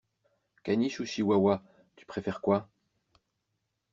Caniche ou chihuahua, tu préfères quoi?